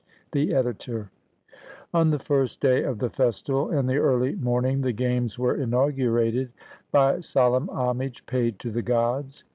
The Editor] On the first day of the festival, in the early morning, the games were inaugurated by solemn homage paid to the gods.